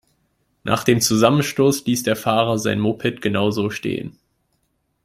Nach dem Zusammenstoß ließ der Fahrer sein Moped genau so stehen.